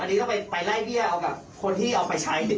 อันนี้ต้องไปไล่เบี้ยเอากับคนที่เอาไปใช้